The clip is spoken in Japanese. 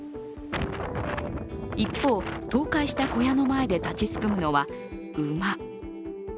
一方、倒壊した小屋の前で、立ちすくむのは、馬。